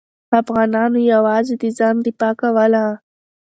افغانانو یوازې د ځان دفاع کوله.